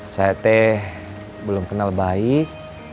saya teh belum kenal baik